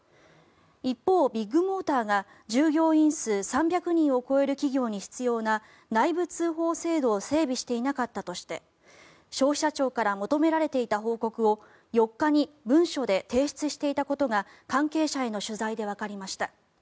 一方、ビッグモーターが従業員数３００人を超える企業に必要な内部通報制度を整備していなかったとして消費者庁から求められていた報告を４日に文書で提出していたことが関係者への取材でわかりました。